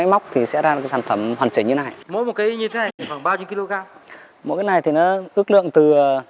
mỗi cái này thì nó ước lượng từ